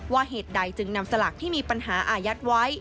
เหตุใดจึงนำสลากที่มีปัญหาอายัดไว้